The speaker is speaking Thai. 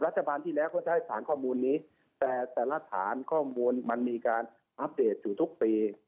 รัฐบาลที่แล้วก็จะให้สารข้อมูลนี้แต่แต่ละฐานข้อมูลมันมีการอัปเดตอยู่ทุกปี